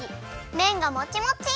めんがもちもち！